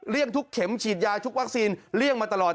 ทุกเข็มฉีดยาทุกวัคซีนเลี่ยงมาตลอด